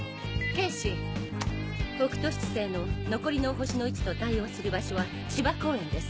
警視北斗七星の残りの星の位置と対応する場所は芝公園です。